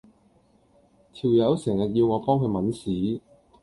條友成日要我幫佢抆屎